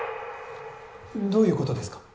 どういうことですか？